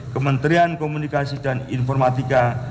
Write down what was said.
kementerian komunikasi dan informatika